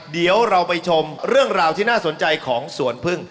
เดี๋ยวเราไปชมเรื่องราวที่น่าสนใจของสวนพึ่ง